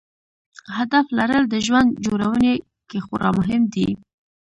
هدف لرل د ژوند جوړونې کې خورا مهم دی.